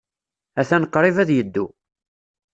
Atan qrib ad yeddu.